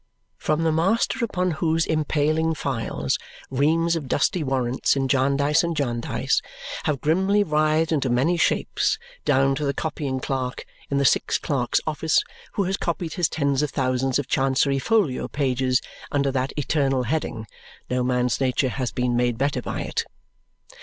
From the master upon whose impaling files reams of dusty warrants in Jarndyce and Jarndyce have grimly writhed into many shapes, down to the copying clerk in the Six Clerks' Office who has copied his tens of thousands of Chancery folio pages under that eternal heading, no man's nature has been made better by it.